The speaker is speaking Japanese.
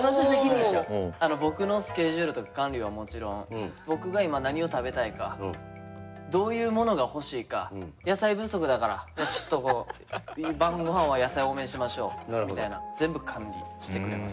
僕のスケジュールとか管理はもちろん僕が今何を食べたいかどういうものが欲しいか野菜不足だからちょっとこう晩ごはんは野菜多めにしましょうみたいな全部管理してくれます。